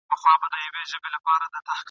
غم ګساره ګوندي را سې.